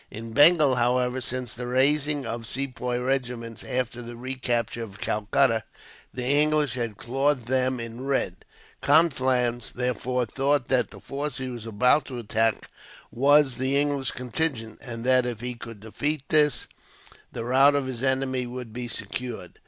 In Bengal, however, since the raising of Sepoy regiments after the recapture of Calcutta, the English had clothed them in red. Conflans, therefore, thought that the force he was about to attack was the English contingent; and that, if he could defeat this, the rout of his enemy would be secured.